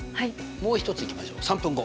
もう一ついきましょう３分後。